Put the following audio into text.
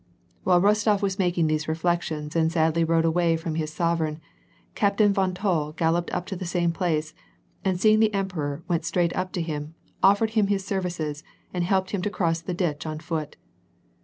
While Rostof was making these reflections and sadly rode away from his sovereign, Captain von Toll galloped up to the same place, and seeing the emperor, went straight up to him, offered him his services and helped him to cross the ditch on foot.